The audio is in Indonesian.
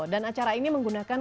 dan acara ini menggunakan